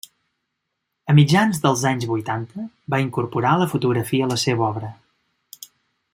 A mitjans dels anys vuitanta va incorporar la fotografia a la seva obra.